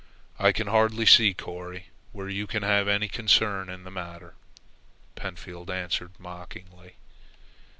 "I can hardly see, Corry, where you can have any concern in the matter," Pentfield answered mockingly.